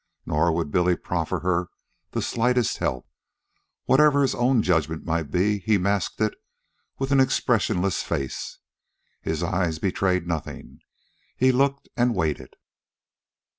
Nor would Billy proffer her the slightest help. Whatever his own judgment might be, he masked it with an expressionless face. His eyes betrayed nothing. He looked and waited.